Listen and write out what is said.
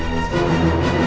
buat aku saya